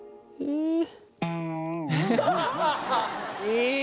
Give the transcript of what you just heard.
いい！